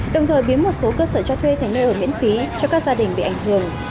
đồng thời biến một số cơ sở cho thuê thành nơi ở miễn phí cho các gia đình bị ảnh hưởng